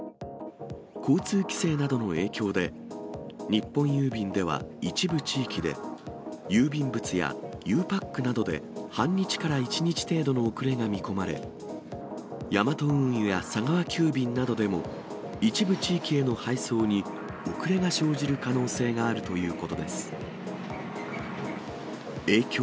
交通規制などの影響で、日本郵便では一部地域で、郵便物やゆうパックなどで半日から１日程度の遅れが見込まれ、ヤマト運輸や佐川急便などでも、一部地域への配送に遅れが生じる可能性があるということです。